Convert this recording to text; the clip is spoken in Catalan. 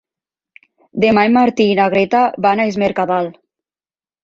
Demà en Martí i na Greta van a Es Mercadal.